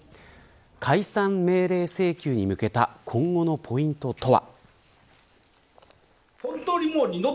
解散命令請求に向けた今後のポイントとは。